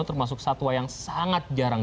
termasuk satwa yang sangat jarang